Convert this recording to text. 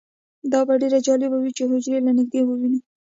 دا به ډیره جالبه وي چې حجرې له نږدې ووینو